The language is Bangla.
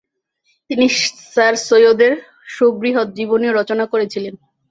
তিনি স্যার সৈয়দের সুবৃহৎ জীবনীও রচনা করেছিলেন।